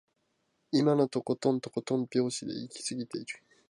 今のところとんとん拍子で行き過ぎている